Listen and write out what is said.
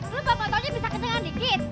he lu bapak tau dia bisa kencengkan dikit